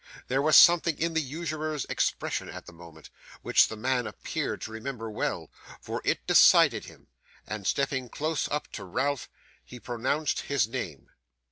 There was something in the usurer's expression at the moment, which the man appeared to remember well, for it decided him; and stepping close up to Ralph, he pronounced his name.